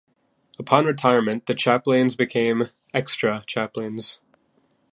Upon retirement the chaplains become "Extra Chaplains".